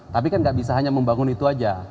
tapi kan nggak bisa hanya membangun itu saja